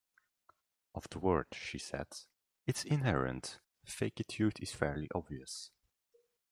Of the word, she said "its inherent fakeitude is fairly obvious".